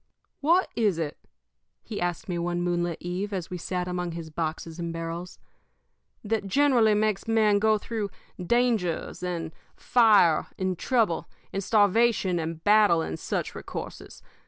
"What is it," he asked me one moonlit eve, as we sat among his boxes and barrels, "that generally makes men go through dangers, and fire, and trouble, and starvation, and battle, and such recourses?